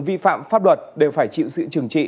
vi phạm pháp luật đều phải chịu sự trừng trị